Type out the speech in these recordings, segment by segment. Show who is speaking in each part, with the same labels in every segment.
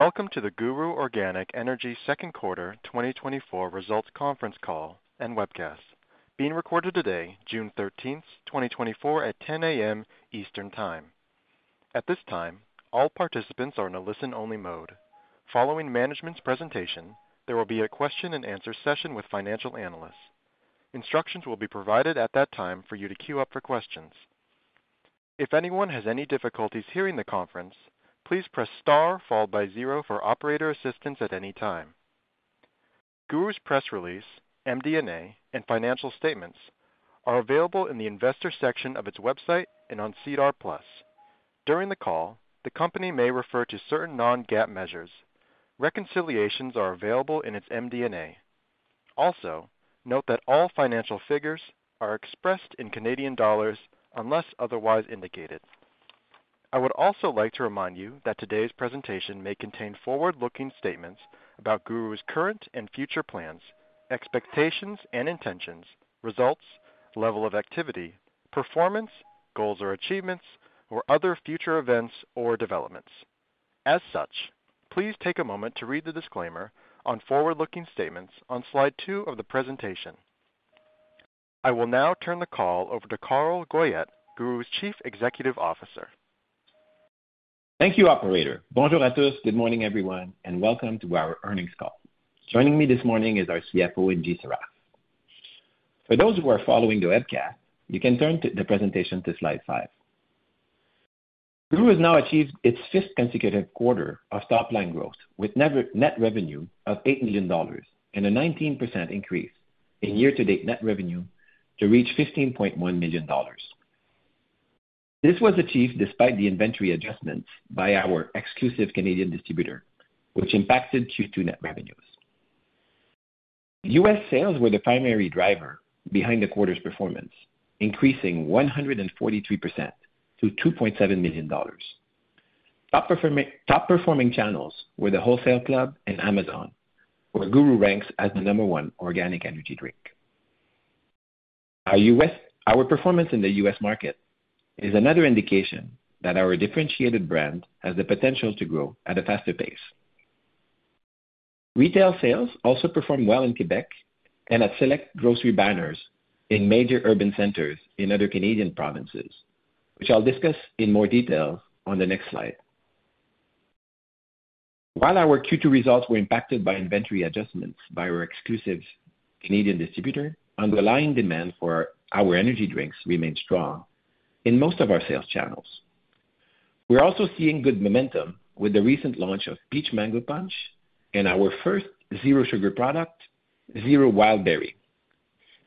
Speaker 1: Welcome to the GURU Organic Energy second quarter 2024 results conference call and webcast, being recorded today, June 13th, 2024, at 10:00 A.M. Eastern Time. At this time, all participants are in a listen-only mode. Following management's presentation, there will be a question and answer session with financial analysts. Instructions will be provided at that time for you to queue up for questions. If anyone has any difficulties hearing the conference, please press star followed by zero for operator assistance at any time. GURU's press release, MD&A, and financial statements are available in the investor section of its website and on SEDAR+. During the call, the company may refer to certain non-GAAP measures. Reconciliations are available in its MD&A. Also, note that all financial figures are expressed in Canadian dollars unless otherwise indicated. I would also like to remind you that today's presentation may contain forward-looking statements about GURU's current and future plans, expectations and intentions, results, level of activity, performance, goals or achievements, or other future events or developments. As such, please take a moment to read the disclaimer on forward-looking statements on slide two of the presentation. I will now turn the call over to Carl Goyette, GURU's Chief Executive Officer.
Speaker 2: Thank you, operator. Bonjour à tous. Good morning, everyone, and welcome to our earnings call. Joining me this morning is our CFO, Ingy Sarraf. For those who are following the webcast, you can turn to the presentation to slide five. GURU has now achieved its fifth consecutive quarter of top-line growth, with net revenue of 8 million dollars and a 19% increase in year-to-date net revenue to reach 15.1 million dollars. This was achieved despite the inventory adjustments by our exclusive Canadian distributor, which impacted Q2 net revenues. U.S. sales were the primary driver behind the quarter's performance, increasing 143% to $2.7 million. Top-performing channels were the wholesale club and Amazon, where GURU ranks as the number one organic energy drink. Our U.S.— Our performance in the U.S. market is another indication that our differentiated brand has the potential to grow at a faster pace. Retail sales also performed well in Quebec and at select grocery banners in major urban centers in other Canadian provinces, which I'll discuss in more detail on the next slide. While our Q2 results were impacted by inventory adjustments by our exclusive Canadian distributor, underlying demand for our energy drinks remained strong in most of our sales channels. We're also seeing good momentum with the recent launch of Peach Mango Punch and our first Zero Sugar product, Zero Wild Berry.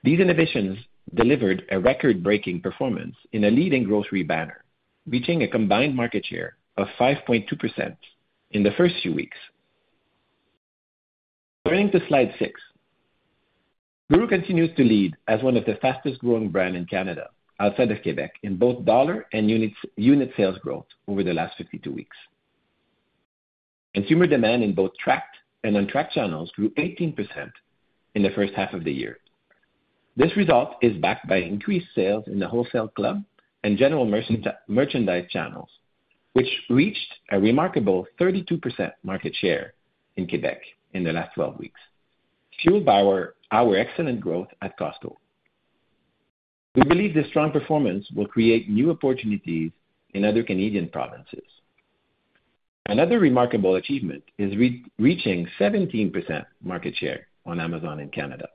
Speaker 2: These innovations delivered a record-breaking performance in a leading grocery banner, reaching a combined market share of 5.2% in the first few weeks. Turning to slide six. GURU continues to lead as one of the fastest growing brand in Canada outside of Quebec, in both dollar and units, unit sales growth over the last 52 weeks. Consumer demand in both tracked and untracked channels grew 18% in the first half of the year. This result is backed by increased sales in the wholesale club and general merchandise channels, which reached a remarkable 32% market share in Quebec in the last 12 weeks, fueled by our excellent growth at Costco. We believe this strong performance will create new opportunities in other Canadian provinces. Another remarkable achievement is reaching 17% market share on Amazon in Canada.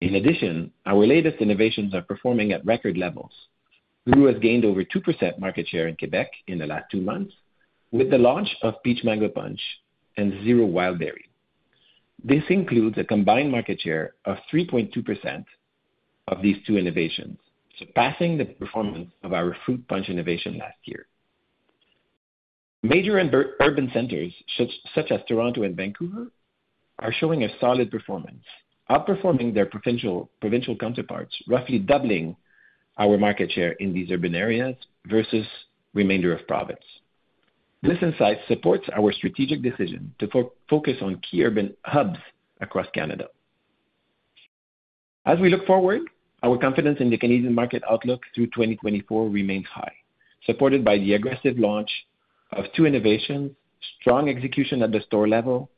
Speaker 2: In addition, our latest innovations are performing at record levels. GURU has gained over 2% market share in Quebec in the last two months, with the launch of Peach Mango Punch and Zero Wild Berry. This includes a combined market share of 3.2% of these two innovations, surpassing the performance of our Fruit Punch innovation last year. Major urban centers, such as Toronto and Vancouver, are showing a solid performance, outperforming their provincial counterparts, roughly doubling our market share in these urban areas versus remainder of province. This insight supports our strategic decision to focus on key urban hubs across Canada. As we look forward, our confidence in the Canadian market outlook through 2024 remains high, supported by the aggressive launch of two innovations, strong execution at the store level,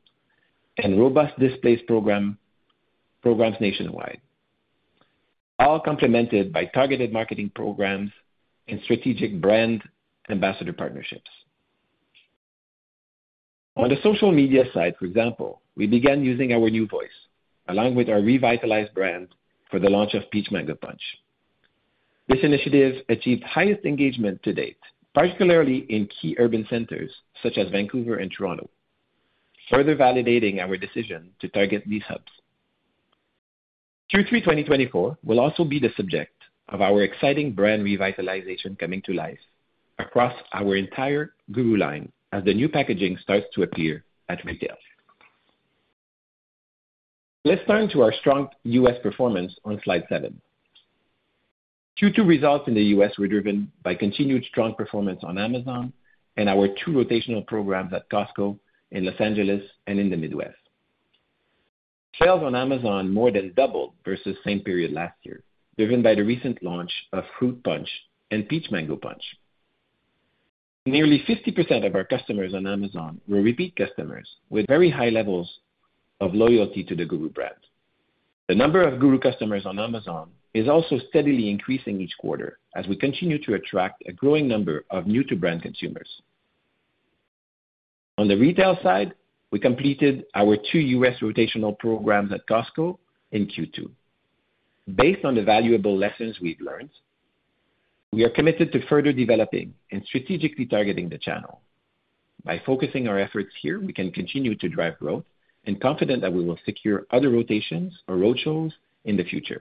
Speaker 2: and robust displays programs nationwide, all complemented by targeted marketing programs and strategic brand ambassador partnerships. On the social media side, for example, we began using our new voice, along with our revitalized brand, for the launch of Peach Mango Punch. This initiative achieved highest engagement to date, particularly in key urban centers such as Vancouver and Toronto, further validating our decision to target these hubs. Q3 2024 will also be the subject of our exciting brand revitalization coming to life across our entire GURU line as the new packaging starts to appear at retail. Let's turn to our strong U.S. performance on slide seven. Q2 results in the U.S. were driven by continued strong performance on Amazon and our two rotational programs at Costco in Los Angeles and in the Midwest. Sales on Amazon more than doubled versus same period last year, driven by the recent launch of Fruit Punch and Peach Mango Punch. Nearly 50% of our customers on Amazon were repeat customers, with very high levels of loyalty to the GURU brand. The number of GURU customers on Amazon is also steadily increasing each quarter as we continue to attract a growing number of new-to-brand consumers. On the retail side, we completed our two U.S. rotational programs at Costco in Q2. Based on the valuable lessons we've learned, we are committed to further developing and strategically targeting the channel. By focusing our efforts here, we can continue to drive growth and confident that we will secure other rotations or road shows in the future.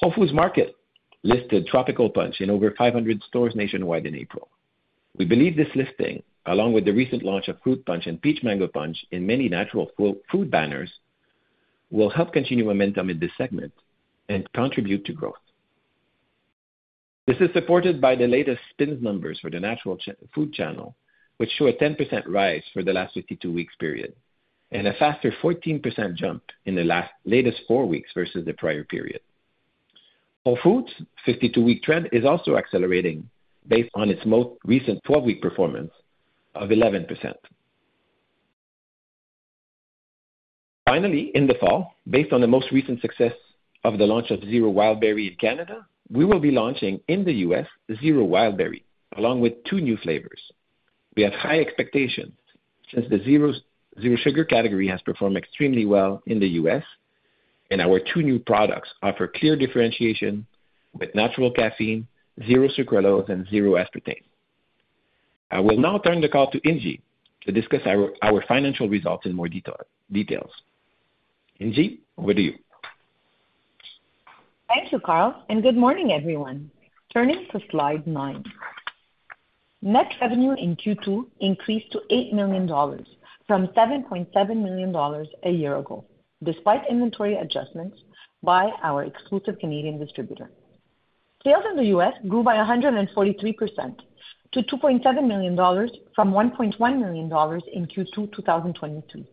Speaker 2: Whole Foods Market listed Tropical Punch in over 500 stores nationwide in April. We believe this listing, along with the recent launch of Fruit Punch and Peach Mango Punch in many natural food banners, will help continue momentum in this segment and contribute to growth. This is supported by the latest SPINS numbers for the natural food channel, which show a 10% rise for the last 52 weeks period, and a faster 14% jump in the latest four weeks versus the prior period. Whole Foods' 52-week trend is also accelerating based on its most recent 12-week performance of 11%. Finally, in the fall, based on the most recent success of the launch of Zero Wild Berry in Canada, we will be launching in the U.S., Zero Wild Berry, along with two new flavors. We have high expectations, since the Zero Sugar category has performed extremely well in the U.S., and our two new products offer clear differentiation with natural caffeine, zero sucralose, and zero aspartame. I will now turn the call to Ingy to discuss our financial results in more detail. Ingy, over to you.
Speaker 3: Thank you, Carl, and good morning, everyone. Turning to slide nine. Net revenue in Q2 increased to 8 million dollars from 7.7 million dollars a year ago, despite inventory adjustments by our exclusive Canadian distributor. Sales in the U.S. grew by 143% to 2.7 million dollars, from 1.1 million dollars in Q2, 2022,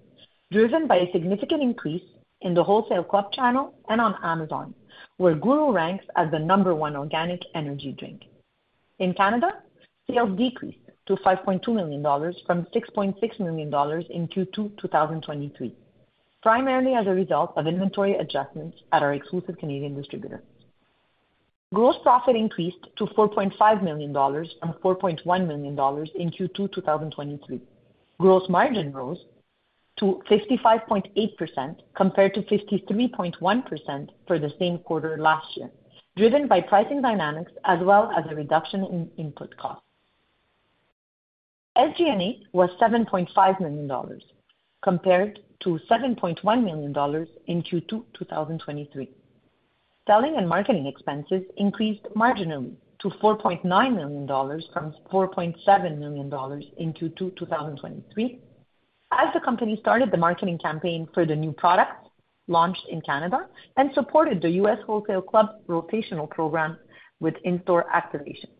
Speaker 3: driven by a significant increase in the wholesale club channel and on Amazon, where GURU ranks as the number 1 organic energy drink. In Canada, sales decreased to 5.2 million dollars from 6.6 million dollars in Q2, 2023, primarily as a result of inventory adjustments at our exclusive Canadian distributor. Gross profit increased to 4.5 million dollars from 4.1 million dollars in Q2 2023. Gross margin rose to 55.8%, compared to 53.1% for the same quarter last year, driven by pricing dynamics as well as a reduction in input costs. SG&A was 7.5 million dollars, compared to 7.1 million dollars in Q2 2023. Selling and marketing expenses increased marginally to 4.9 million dollars from 4.7 million dollars in Q2 2023, as the company started the marketing campaign for the new products launched in Canada and supported the U.S. wholesale club rotational program with in-store activations.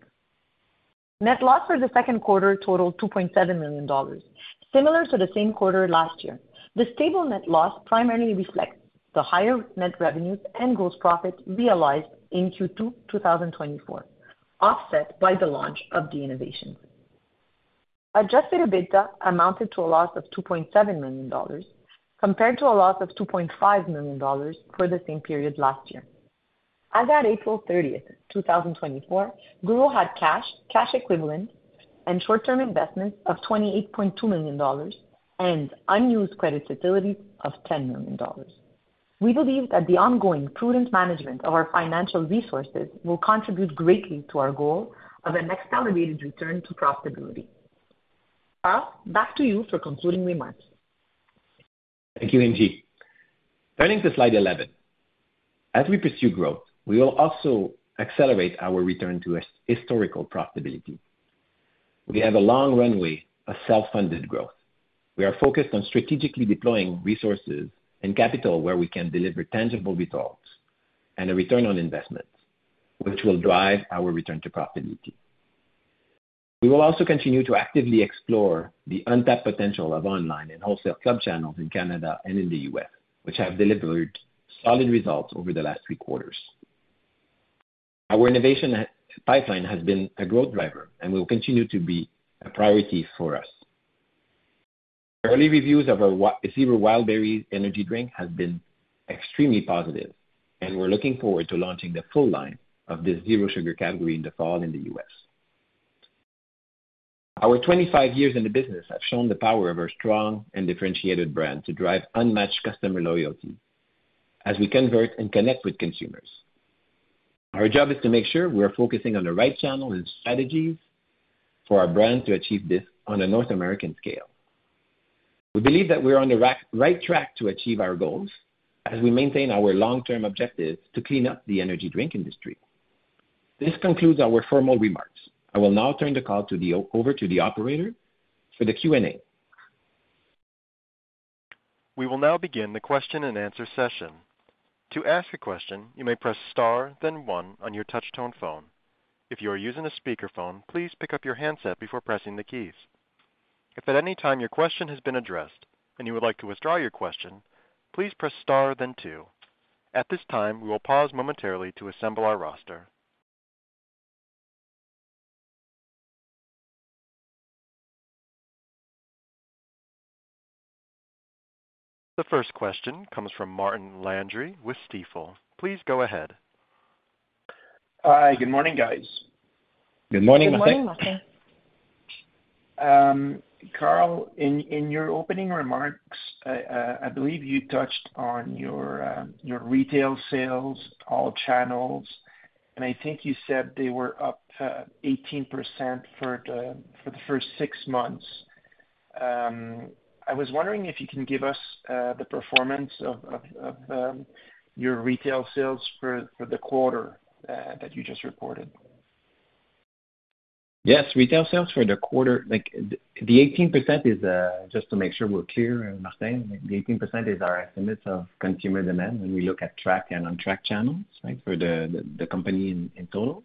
Speaker 3: Net loss for the second quarter totaled 2.7 million dollars, similar to the same quarter last year. The stable net loss primarily reflects the higher net revenues and gross profit realized in Q2 2024, offset by the launch of the innovation. Adjusted EBITDA amounted to a loss of 2.7 million dollars, compared to a loss of 2.5 million dollars for the same period last year. As at April 30th, 2024, GURU had cash, cash equivalent, and short-term investments of 28.2 million dollars and unused credit facilities of 10 million dollars. We believe that the ongoing prudent management of our financial resources will contribute greatly to our goal of an accelerated return to profitability. Carl, back to you for concluding remarks.
Speaker 2: Thank you, Ingy. Turning to slide 11. As we pursue growth, we will also accelerate our return to historical profitability. We have a long runway of self-funded growth. We are focused on strategically deploying resources and capital where we can deliver tangible results and a return on investment, which will drive our return to profitability. We will also continue to actively explore the untapped potential of online and wholesale club channels in Canada and in the U.S., which have delivered solid results over the last three quarters. Our innovation pipeline has been a growth driver and will continue to be a priority for us. Early reviews of our GURU Zero Wild Berry energy drink has been extremely positive, and we're looking forward to launching the full line of this Zero Sugar category in the fall in the U.S. Our 25 years in the business have shown the power of our strong and differentiated brand to drive unmatched customer loyalty as we convert and connect with consumers. Our job is to make sure we are focusing on the right channels and strategies for our brand to achieve this on a North American scale. We believe that we are on the right track to achieve our goals as we maintain our long-term objectives to clean up the energy drink industry. This concludes our formal remarks. I will now turn the call over to the operator for the Q&A.
Speaker 1: We will now begin the question and answer session. To ask a question, you may press star, then one on your touch-tone phone. If you are using a speakerphone, please pick up your handset before pressing the keys. If at any time your question has been addressed and you would like to withdraw your question, please press star then two. At this time, we will pause momentarily to assemble our roster. The first question comes from Martin Landry with Stifel. Please go ahead.
Speaker 4: Hi, good morning, guys.
Speaker 2: Good morning, Martin.
Speaker 3: Good morning, Martin.
Speaker 4: Carl, in your opening remarks, I believe you touched on your retail sales, all channels, and I think you said they were up 18% for the first six months. I was wondering if you can give us the performance of your retail sales for the quarter that you just reported.
Speaker 2: Yes. Retail sales for the quarter, like the 18% is, just to make sure we're clear, Martin, the 18% is our estimates of consumer demand when we look at tracked and untracked channels, right? For the company in total.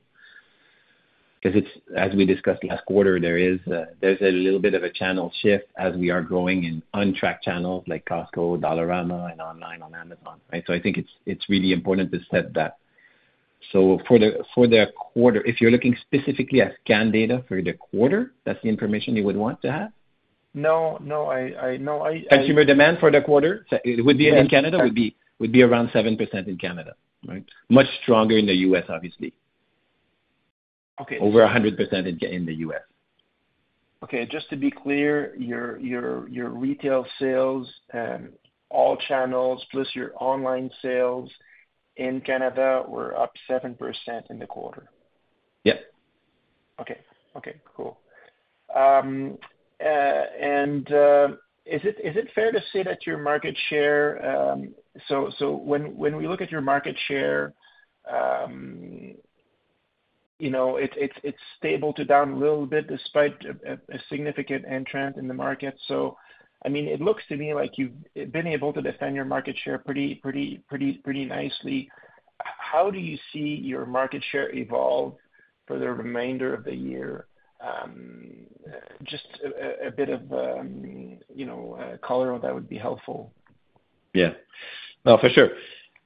Speaker 2: Because it's, as we discussed last quarter, there is, there's a little bit of a channel shift as we are growing in untracked channels like Costco, Dollarama, and online on Amazon, right? So I think it's really important to set that. So for the quarter, if you're looking specifically at scan data for the quarter, that's the information you would want to have?
Speaker 4: No, no. No, I-
Speaker 2: Consumer demand for the quarter would be around 7% in Canada, right? Much stronger in the U.S., obviously.
Speaker 4: Okay.
Speaker 2: Over 100% in the U.S.
Speaker 4: Okay. Just to be clear, your retail sales, all channels, plus your online sales in Canada were up 7% in the quarter?
Speaker 2: Yep.
Speaker 4: Okay. Okay, cool. And is it fair to say that your market share? So when we look at your market share, you know, it's stable to down a little bit despite a significant entrant in the market. So I mean, it looks to me like you've been able to defend your market share pretty nicely. How do you see your market share evolve for the remainder of the year? Just a bit of, you know, color on that would be helpful.
Speaker 2: Yeah. No, for sure.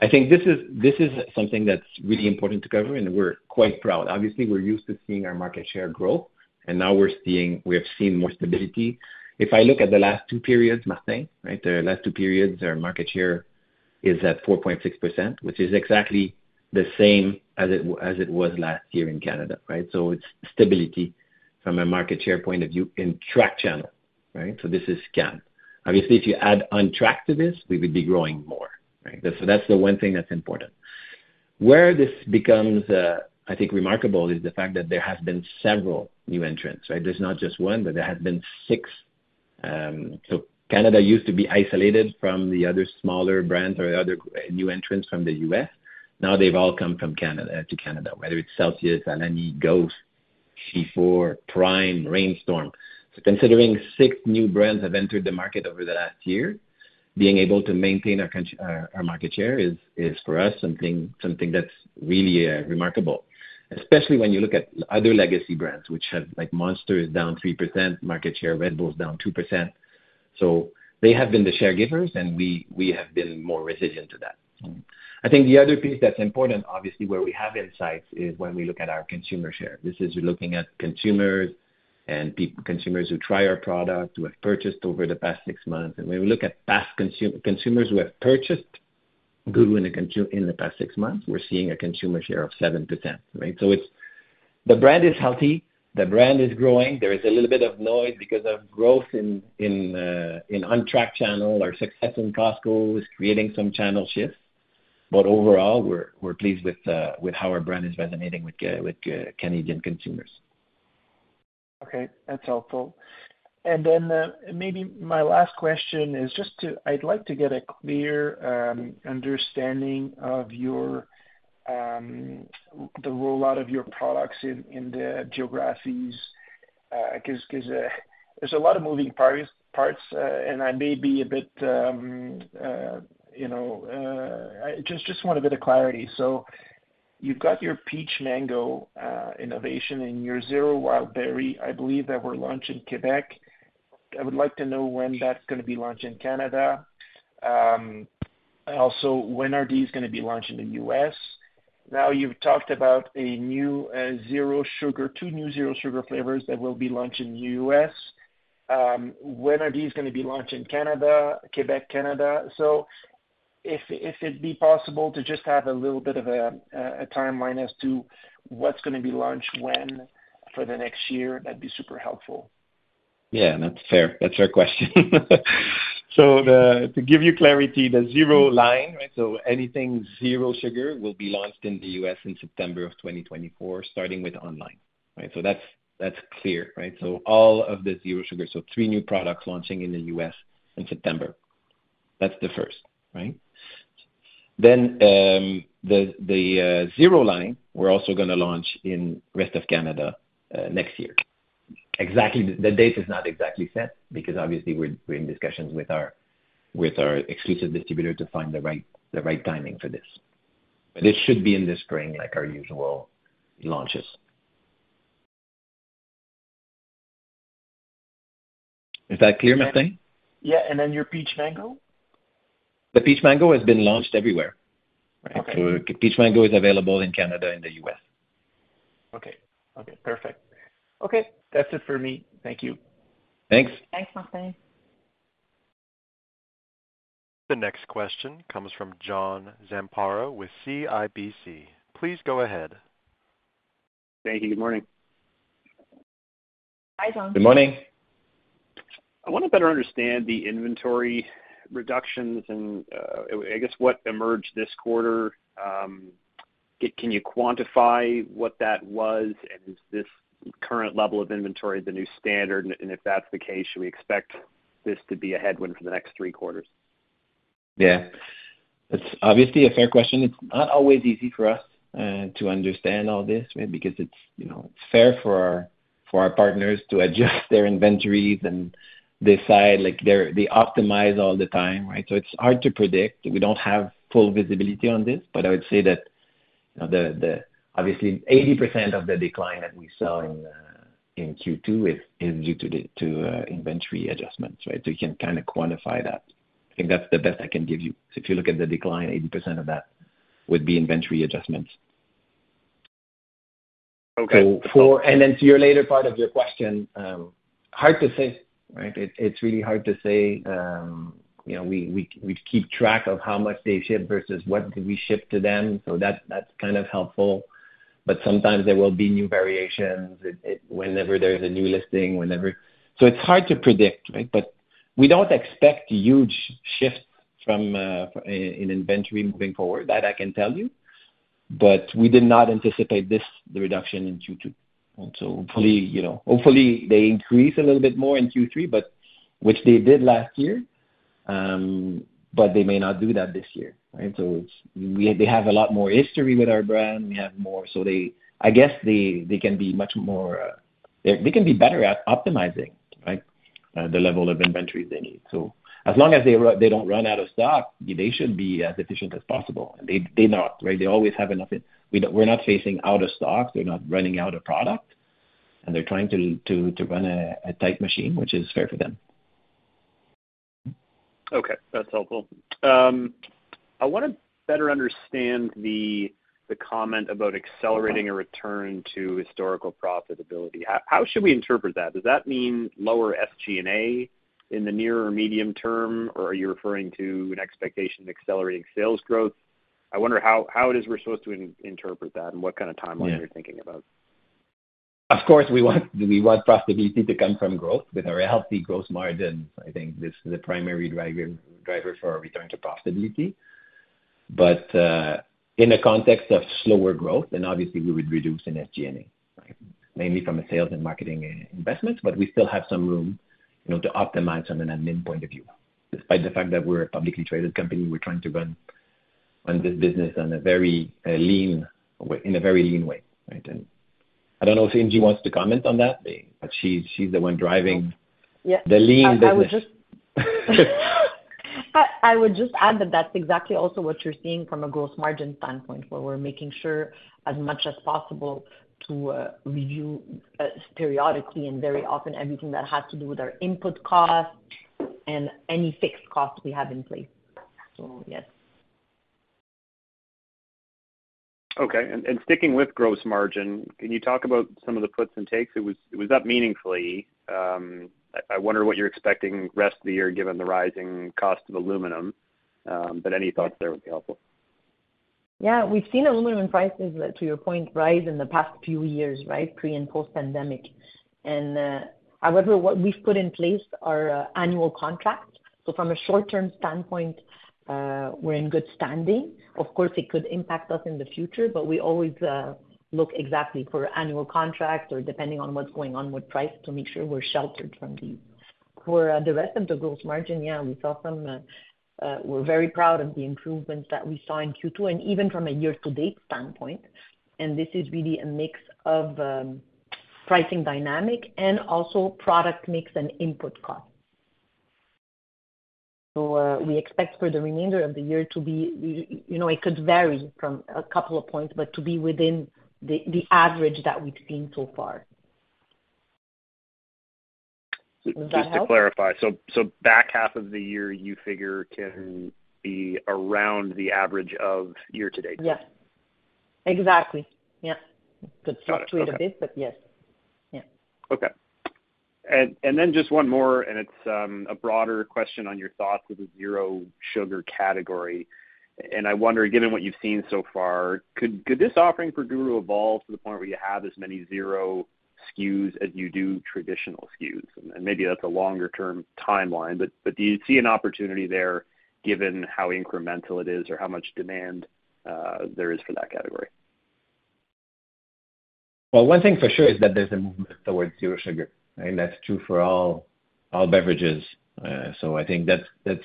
Speaker 2: I think this is something that's really important to cover, and we're quite proud. Obviously, we're used to seeing our market share grow, and now we're seeing. We have seen more stability. If I look at the last two periods, Martin, right, the last two periods, our market share is at 4.6%, which is exactly the same as it was last year in Canada, right? So it's stability from a market share point of view in tracked channel, right? So this is scan. Obviously, if you add untracked to this, we would be growing more, right? So that's the one thing that's important. Where this becomes, I think, remarkable, is the fact that there have been several new entrants, right? There's not just one, but there have been six. So Canada used to be isolated from the other smaller brands or other new entrants from the U.S. Now they've all come from Canada to Canada, whether it's Celsius, Alani, GHOST, C4, PRIME, Reign Storm. So considering six new brands have entered the market over the last year, being able to maintain our market share is for us something that's really remarkable, especially when you look at other legacy brands, which have, like, Monster is down 3%, market share, Red Bull is down 2%. So they have been the share givers, and we have been more resilient to that. I think the other piece that's important, obviously, where we have insights, is when we look at our consumer share. This is looking at consumers and consumers who try our product, who have purchased over the past six months. When we look at past consumers who have purchased GURU in the past six months, we're seeing a consumer share of 7%, right? So, it's the brand is healthy, the brand is growing. There is a little bit of noise because of growth in tracked channel. Our success in Costco is creating some channel shifts. Overall, we're pleased with how our brand is resonating with Canadian consumers.
Speaker 4: Okay, that's helpful. And then, maybe my last question is just to—I'd like to get a clear understanding of your the rollout of your products in the geographies, 'cause there's a lot of moving parts, and I may be a bit you know, I just want a bit of clarity. So you've got your Peach Mango innovation, and your Zero Wild Berry, I believe that were launched in Quebec. I would like to know when that's gonna be launched in Canada. Also, when are these gonna be launched in the U.S.? Now, you've talked about a new Zero Sugar, two new Zero Sugar flavors that will be launched in the U.S. When are these gonna be launched in Canada, Quebec, Canada? If it'd be possible to just have a little bit of a timeline as to what's gonna be launched when for the next year, that'd be super helpful. Yeah, that's fair. That's a fair question. So, to give you clarity, the Zero Sugar line, right, so anything Zero Sugar will be launched in the U.S. in September of 2024, starting with online. Right? So that's, that's clear, right? So all of the Zero Sugar, so three new products launching in the U.S. in September. That's the first, right? Then, the Zero line, we're also gonna launch in rest of Canada, next year, exactly, the date is not exactly set, because obviously we're, we're in discussions with our, with our exclusive distributor to find the right, the right timing for this. But it should be in the spring, like our usual launches. Is that clear, Martin? Yeah, and then your Peach Mango?
Speaker 2: The Peach Mango has been launched everywhere.
Speaker 4: Okay.
Speaker 2: Peach Mango is available in Canada and the U.S.
Speaker 4: Okay. Okay, perfect. Okay, that's it for me. Thank you.
Speaker 2: Thanks.
Speaker 3: Thanks, Martin.
Speaker 1: The next question comes from John Zamparo with CIBC. Please go ahead.
Speaker 5: Thank you. Good morning.
Speaker 3: Hi, John.
Speaker 2: Good morning.
Speaker 5: I wanna better understand the inventory reductions and, I guess, what emerged this quarter. Can you quantify what that was, and is this current level of inventory the new standard? And if that's the case, should we expect this to be a headwind for the next three quarters?
Speaker 2: Yeah, it's obviously a fair question. It's not always easy for us to understand all this, maybe because it's, you know, fair for our, for our partners to adjust their inventories and decide, like, they optimize all the time, right? So it's hard to predict. We don't have full visibility on this, but I would say that, you know, the obviously 80% of the decline that we saw in Q2 is due to the inventory adjustments, right? So you can kind of quantify that. I think that's the best I can give you. So if you look at the decline, 80% of that would be inventory adjustments.
Speaker 5: Okay.
Speaker 2: And then to your later part of your question, hard to say, right? It's really hard to say. You know, we keep track of how much they ship versus what did we ship to them, so that's kind of helpful, but sometimes there will be new variations whenever there's a new listing. So it's hard to predict, right? But we don't expect huge shifts in inventory moving forward, that I can tell you. But we did not anticipate this, the reduction in Q2. So hopefully, you know, hopefully they increase a little bit more in Q3, but which they did last year, but they may not do that this year, right? So they have a lot more history with our brand, we have more. So they, I guess they, can be much more. They can be better at optimizing, right, the level of inventory they need. So as long as they don't run out of stock, they should be as efficient as possible. They're not, right? They always have enough. We're not facing out of stock, they're not running out of product, and they're trying to run a tight machine, which is fair for them.
Speaker 5: Okay, that's helpful. I wanna better understand the comment about accelerating a return to historical profitability. How should we interpret that? Does that mean lower SG&A in the near or medium term, or are you referring to an expectation of accelerating sales growth? I wonder how it is we're supposed to interpret that, and what kind of timeline—
Speaker 2: Yeah
Speaker 5: —you're thinking about.
Speaker 2: Of course, we want profitability to come from growth with our healthy growth margins. I think this is the primary driver for our return to profitability. But in the context of slower growth, then obviously we would reduce in SG&A, right? Mainly from a sales and marketing investment, but we still have some room, you know, to optimize from an admin point of view. Despite the fact that we're a publicly traded company, we're trying to run this business in a very lean way, right? And I don't know if Ingy wants to comment on that, but she's the one driving the lean business.
Speaker 3: I would just add that that's exactly also what you're seeing from a gross margin standpoint, where we're making sure as much as possible to review periodically and very often everything that has to do with our input costs and any fixed costs we have in place. So yes.
Speaker 5: Okay. And sticking with gross margin, can you talk about some of the puts and takes? It was up meaningfully. I wonder what you're expecting rest of the year, given the rising cost of aluminum. But any thoughts there would be helpful.
Speaker 3: Yeah, we've seen aluminum prices, to your point, rise in the past few years, right? Pre- and post-pandemic. However, what we've put in place are annual contracts. So from a short-term standpoint, we're in good standing. Of course, it could impact us in the future, but we always look exactly for annual contracts or depending on what's going on with price, to make sure we're sheltered from these. For the rest of the gross margin, yeah, we're very proud of the improvements that we saw in Q2, and even from a year-to-date standpoint, and this is really a mix of pricing dynamic and also product mix and input costs. We expect for the remainder of the year to be, you know, it could vary from a couple of points, but to be within the average that we've seen so far. Does that help?
Speaker 5: Just to clarify. So back half of the year, you figure can be around the average of year to date?
Speaker 3: Yeah. Exactly. Yeah. Could fluctuate—
Speaker 5: Got it, okay.
Speaker 3: —a bit, but yes. Yeah.
Speaker 5: Okay. And then just one more, and it's a broader question on your thoughts with the Zero Sugar category. And I wonder, given what you've seen so far, could this offering for GURU evolve to the point where you have as many Zero SKUs as you do traditional SKUs? And maybe that's a longer term timeline, but do you see an opportunity there, given how incremental it is or how much demand there is for that category?
Speaker 2: Well, one thing for sure is that there's a movement towards Zero Sugar, and that's true for all beverages. So I think that's.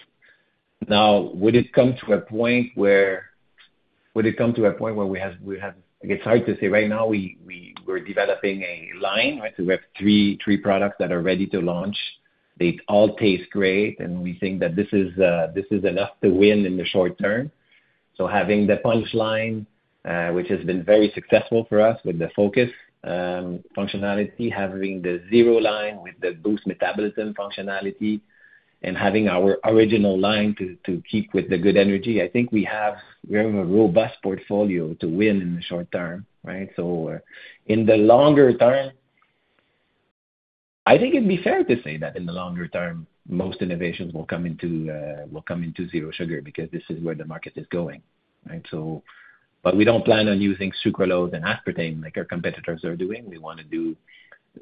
Speaker 2: Now, would it come to a point where we have. It's hard to say. Right now, we're developing a line, right? So we have three products that are ready to launch. They all taste great, and we think that this is enough to win in the short term. So having the Punch line, which has been very successful for us with the focus functionality, having the Zero line with the boost metabolism functionality, and having our original line to keep with the good energy, I think we have a robust portfolio to win in the short term, right? So in the longer term, I think it'd be fair to say that in the longer term, most innovations will come into, will come into Zero Sugar because this is where the market is going, right? So but we don't plan on using sucralose and aspartame like our competitors are doing. We wanna do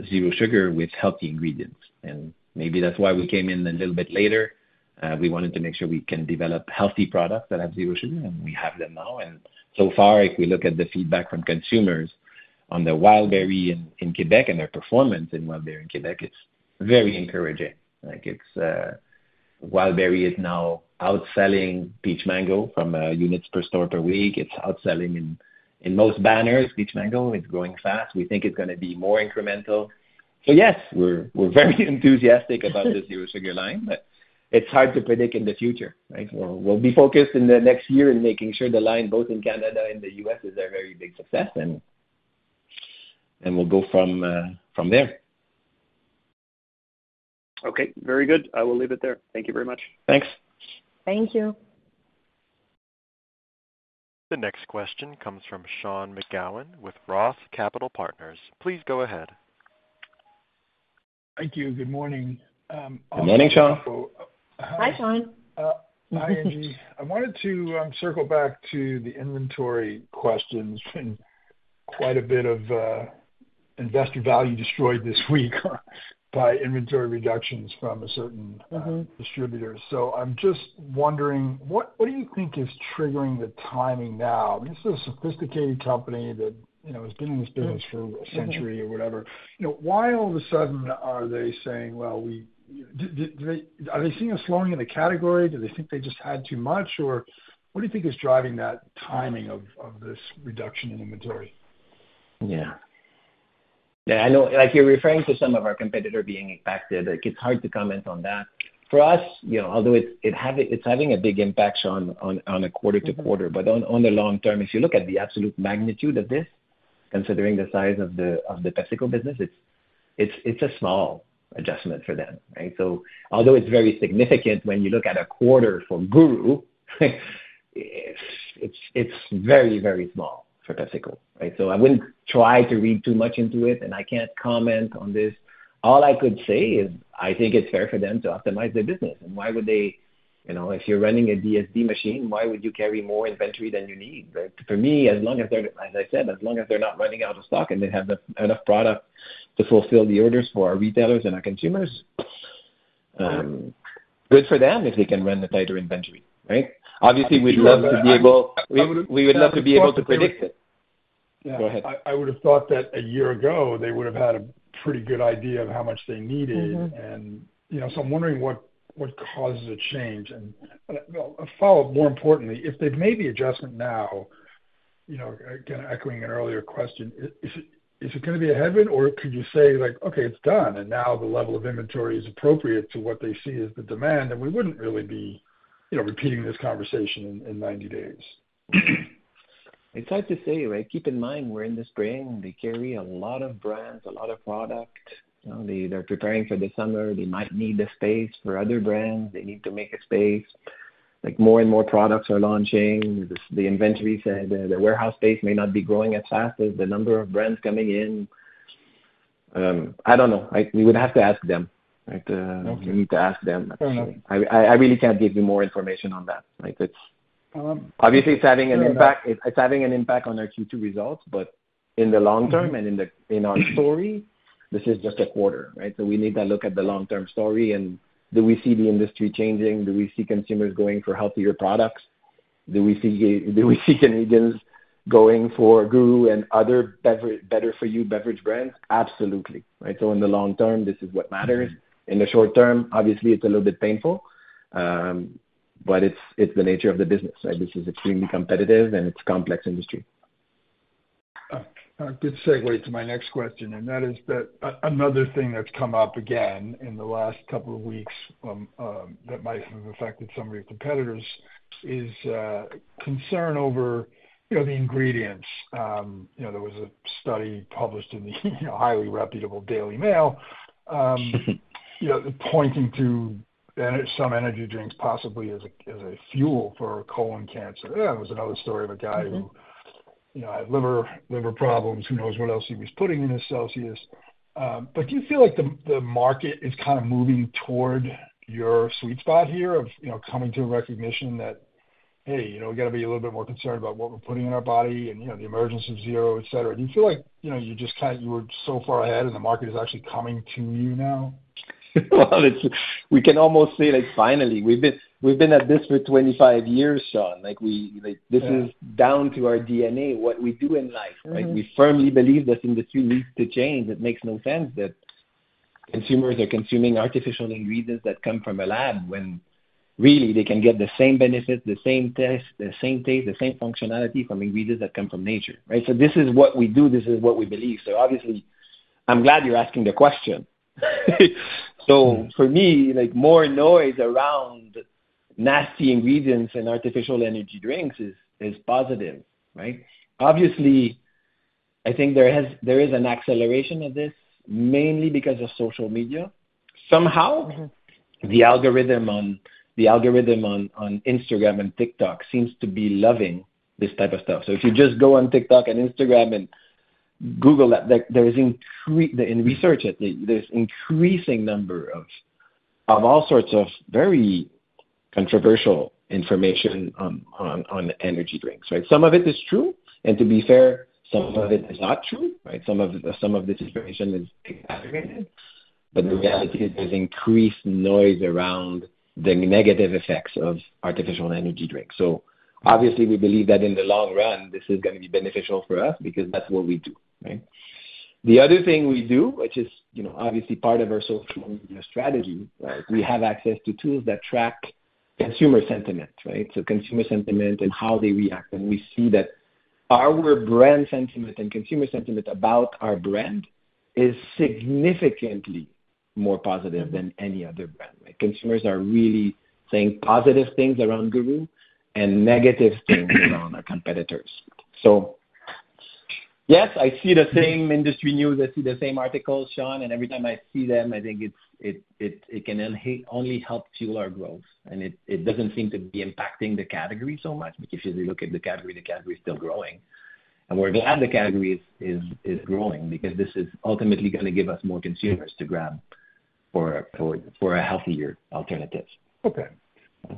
Speaker 2: Zero Sugar with healthy ingredients, and maybe that's why we came in a little bit later. We wanted to make sure we can develop healthy products that have Zero Sugar, and we have them now. And so far, if we look at the feedback from consumers on the Wild Berry in, in Quebec and their performance in Wild Berry in Quebec, it's very encouraging. Like, it's, Wild Berry is now outselling Peach Mango from, uh, units per store per week. It's outselling in, in most banners, Peach Mango. It's growing fast. We think it's gonna be more incremental. So yes, we're, we're very enthusiastic about this Zero Sugar line, but it's hard to predict in the future, right? We'll, we'll be focused in the next year in making sure the line, both in Canada and the U.S., is a very big success, and, and we'll go from, from there.
Speaker 5: Okay, very good. I will leave it there. Thank you very much.
Speaker 2: Thanks.
Speaker 3: Thank you.
Speaker 1: The next question comes from Sean McGowan with Roth Capital Partners. Please go ahead.
Speaker 6: Thank you. Good morning.
Speaker 2: Good morning, Sean.
Speaker 3: Hi, Sean.
Speaker 6: Hi. I wanted to circle back to the inventory questions and quite a bit of investor value destroyed this week by inventory reductions from a certain distributor. So I'm just wondering, what do you think is triggering the timing now? This is a sophisticated company that, you know, has been in this business for a century or whatever. You know, why all of a sudden are they saying, well, we- Did they- Are they seeing a slowing in the category? Do they think they just had too much, or what do you think is driving that timing of this reduction in inventory?
Speaker 2: Yeah. Yeah, I know, like you're referring to some of our competitor being impacted, like, it's hard to comment on that. For us, you know, although it's having a big impact on a quarter-to-quarter, but on the long term, if you look at the absolute magnitude of this, considering the size of the PepsiCo business, it's a small adjustment for them, right? So although it's very significant when you look at a quarter from GURU, it's very, very small for PepsiCo, right? So I wouldn't try to read too much into it, and I can't comment on this. All I could say is, I think it's fair for them to optimize their business. And why would they—You know, if you're running a DSD machine, why would you carry more inventory than you need, right? For me, as long as they're, as I said, as long as they're not running out of stock and they have the enough product to fulfill the orders for our retailers and our consumers, good for them if they can run less inventory, right? Obviously, we'd love to be able-
Speaker 6: I would-
Speaker 2: We would love to be able to predict it. Go ahead.
Speaker 6: I would have thought that a year ago, they would have had a pretty good idea of how much they needed. You know, so I'm wondering what, what causes a change? Well, a follow-up, more importantly, if they've made the adjustment now, you know, again, echoing an earlier question, is it, is it gonna be a headwind, or could you say, like, "Okay, it's done, and now the level of inventory is appropriate to what they see as the demand," and we wouldn't really be, you know, repeating this conversation in 90 days?
Speaker 2: It's hard to say, right? Keep in mind, we're in the spring. They carry a lot of brands, a lot of product. You know, they, they're preparing for the summer. They might need the space for other brands. They need to make a space. Like, more and more products are launching. The inventory, the warehouse space may not be growing as fast as the number of brands coming in. I don't know. We would have to ask them, right?
Speaker 6: Okay.
Speaker 2: We need to ask them.
Speaker 6: Fair enough.
Speaker 2: I really can't give you more information on that. Like, it's obviously, it's having an impact-
Speaker 6: Fair enough.
Speaker 2: It's having an impact on our Q2 results, but in the long term and in the, in our story, this is just a quarter, right? So we need to look at the long-term story, and do we see the industry changing? Do we see consumers going for healthier products? Do we see, do we see Canadians going for GURU and other better for you beverage brands? Absolutely. Right? So in the long term, this is what matters. In the short term, obviously, it's a little bit painful, but it's, it's the nature of the business, right? This is extremely competitive, and it's a complex industry.
Speaker 6: A good segue to my next question, and that is that another thing that's come up again in the last couple of weeks, that might have affected some of your competitors is, concern over, you know, the ingredients. You know, there was a study published in the, you know, highly reputable Daily Mail, you know, pointing to some energy drinks possibly as a, as a fuel for colon cancer. Yeah, there was another story of a guy who you know, had liver problems. Who knows what else he was putting in his Celsius. But do you feel like the market is kind of moving toward your sweet spot here of, you know, coming to a recognition that, hey, you know, we gotta be a little bit more concerned about what we're putting in our body and, you know, the emergence of zero, et cetera? Do you feel like, you know, you're just kind- you were so far ahead and the market is actually coming to you now?
Speaker 2: Well, it's. We can almost say, like, finally, we've been at this for 25 years, Sean. Like, we, like this is down to our DNA, what we do in life. Like, we firmly believe this industry needs to change. It makes no sense that consumers are consuming artificial ingredients that come from a lab, when really they can get the same benefit, the same test, the same taste, the same functionality from ingredients that come from nature, right? So this is what we do, this is what we believe. So obviously, I'm glad you're asking the question. So for me, like, more noise around nasty ingredients in artificial energy drinks is positive, right? Obviously, I think there is an acceleration of this, mainly because of social media. Somehow, the algorithm on Instagram and TikTok seems to be loving this type of stuff. So if you just go on TikTok and Instagram and Google that and research it, there's increasing number of all sorts of very controversial information on energy drinks, right? Some of it is true, and to be fair, some of it is not true, right? Some of this information is exaggerated. But the reality is, there's increased noise around the negative effects of artificial energy drinks. So obviously, we believe that in the long run, this is gonna be beneficial for us, because that's what we do, right? The other thing we do, which is, you know, obviously part of our social media strategy, right, we have access to tools that track consumer sentiment, right? So consumer sentiment and how they react. We see that our brand sentiment and consumer sentiment about our brand is significantly more positive than any other brand. Like, consumers are really saying positive things around GURU and negative things around our competitors. So yes, I see the same industry news, I see the same articles, Sean, and every time I see them, I think it can only help fuel our growth, and it doesn't seem to be impacting the category so much. Because if you look at the category, the category is still growing. And we're glad the category is growing, because this is ultimately gonna give us more consumers to grab for a healthier alternatives.
Speaker 6: Okay,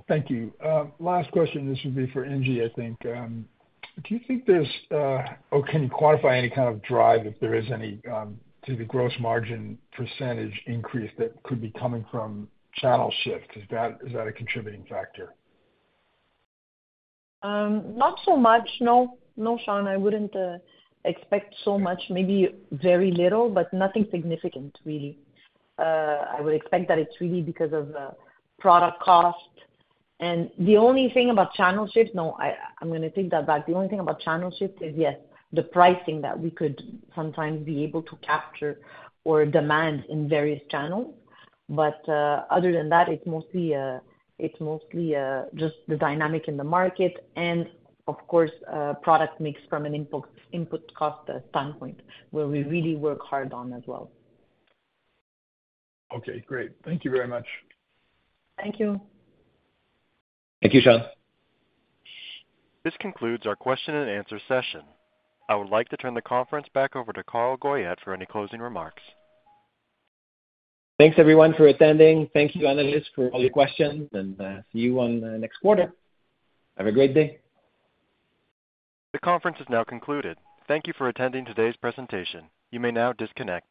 Speaker 6: thank you. Last question, this would be for Ingy, I think. Do you think there's, or can you quantify any kind of drive, if there is any, to the gross margin percentage increase that could be coming from channel shift? Is that, is that a contributing factor?
Speaker 3: Not so much, no. No, Sean, I wouldn't expect so much. Maybe very little, but nothing significant, really. I would expect that it's really because of the product cost. And the only thing about channel shift—no, I'm gonna take that back. The only thing about channel shift is, yes, the pricing that we could sometimes be able to capture or demand in various channels. But other than that, it's mostly just the dynamic in the market and of course, product mix from an input cost standpoint, where we really work hard on as well.
Speaker 6: Okay, great. Thank you very much.
Speaker 3: Thank you.
Speaker 2: Thank you, Sean.
Speaker 1: This concludes our question-and-answer session. I would like to turn the conference back over to Carl Goyette for any closing remarks.
Speaker 2: Thanks everyone for attending. Thank you, analysts, for all your questions, and, see you on the next quarter. Have a great day!
Speaker 1: The conference is now concluded. Thank you for attending today's presentation. You may now disconnect.